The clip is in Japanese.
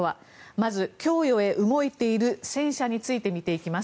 まず供与へ動いている戦車について見ていきます。